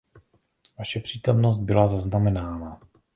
Vaše přítomnost byla zaznamenána.